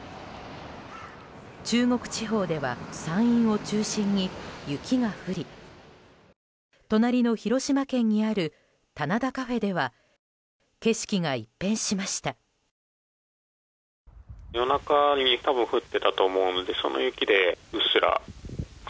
中国地方では山陰を中心に雪が降り隣の広島県にある棚田カフェでは景色が一変しました。